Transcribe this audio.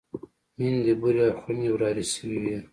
ميندې بورې او خويندې ورارې شوې وې.